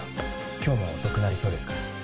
今日も遅くなりそうですから。